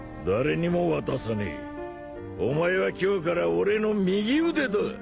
お前は今日から俺の右腕だ！